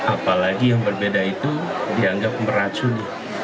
apalagi yang berbeda itu dianggap meracuni